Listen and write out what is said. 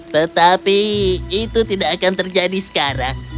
tetapi itu tidak akan terjadi sekarang